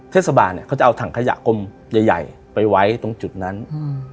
เทศบาลเนี้ยเขาจะเอาถังขยะกลมใหญ่ใหญ่ไปไว้ตรงจุดนั้นอืม